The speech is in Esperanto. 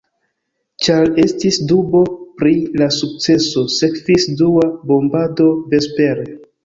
Ĉar estis dubo pri la sukceso, sekvis dua bombado vespere.